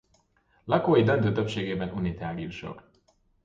Lakói döntő többségében unitáriusok.